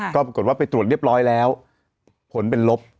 ก็ปรากฏว่าไปตรวจเรียบร้อยแล้วผลเป็นลบ